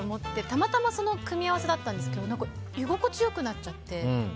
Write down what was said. たまたまその組み合わせだったんですけど居心地が良くなっちゃって。